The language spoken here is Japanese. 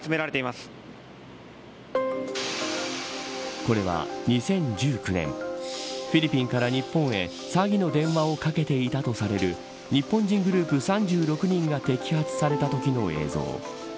これは２０１９年フィリピンから日本へ詐欺の電話をかけていたとされる日本人グループ３６人が摘発されたときの映像。